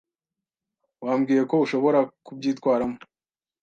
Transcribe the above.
Wambwiye ko ushobora kubyitwaramo.